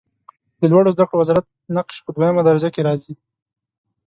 د لوړو زده کړو وزارت نقش په دویمه درجه کې راځي.